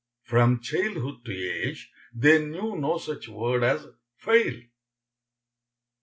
From childhood to age they knew no such word as fail.